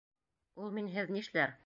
Ул минһеҙ нишләр?